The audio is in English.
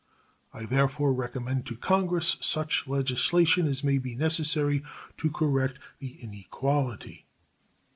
I therefore recommend to Congress such legislation as may be necessary to correct the inequality.